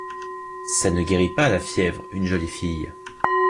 Ça ne guérit pas la fièvre, une jolie fille.